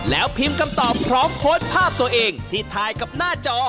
แล้วพิมพ์คำตอบพร้อมโพสต์ภาพตัวเองที่ถ่ายกับหน้าจอ